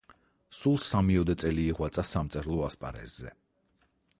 სულ სამიოდე წელი იღვაწა სამწერლო ასპარეზზე.